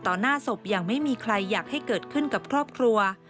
หน้าศพอย่างไม่มีใครอยากให้เกิดขึ้นกับครอบครัว